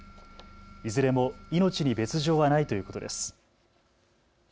いずれも命に別状はないということです。